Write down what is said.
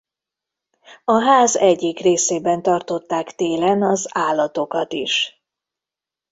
A ház egyik részében tartották télen az állatokat is.